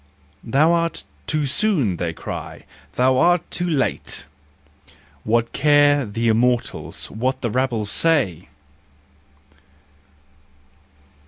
" Thou art too soon," they cry, " thou art too late," What care the Immortals what the rabble say?